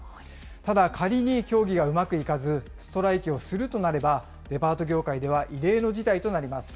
ただ、仮に協議がうまくいかず、ストライキをするとなれば、デパート業界では、異例の事態となります。